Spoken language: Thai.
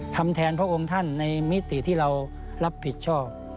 ทำแทนพระองค์ท่านในมิติที่เรารับผิดชอบ